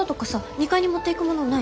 ２階に持っていくものない？